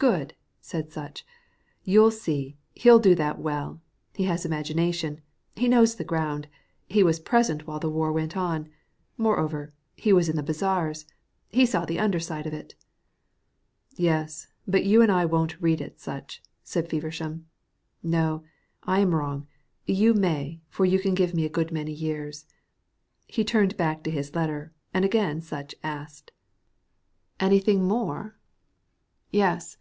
"Good!" said Sutch. "You'll see, he'll do that well. He has imagination, he knows the ground, he was present while the war went on. Moreover, he was in the bazaars, he saw the under side of it." "Yes. But you and I won't read it, Sutch," said Feversham. "No; I am wrong. You may, for you can give me a good many years." He turned back to his letter and again Sutch asked: "Anything more?" "Yes.